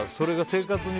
生活に。